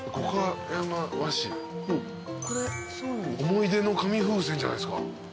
思い出の紙風船じゃないですか。